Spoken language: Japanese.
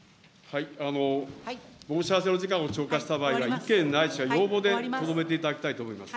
申し合わせの時間を超過した場合は、意見ないしは要望でとどめていただきたいと思います。